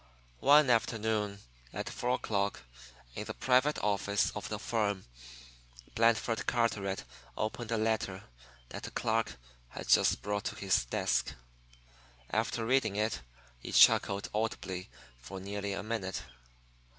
One afternoon at four o'clock, in the private office of the firm, Blandford Carteret opened a letter that a clerk had just brought to his desk. After reading it, he chuckled audibly for nearly a minute.